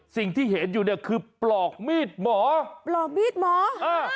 สิ่งที่เห็นอยู่เนี่ยคือปลอกมีดหมอปลอกมีดหมออ่า